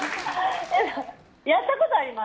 やったことはあります。